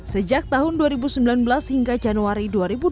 sejak tahun dua ribu sembilan belas hingga januari dua ribu dua puluh